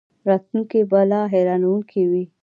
راتلونکی به لا حیرانوونکی وي.